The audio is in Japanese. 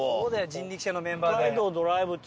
人力舎のメンバーで。